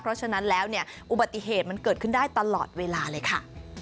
เพราะฉะนั้นแล้วเนี่ยอุบัติเหตุมันเกิดขึ้นได้ตลอดเวลาเลยค่ะ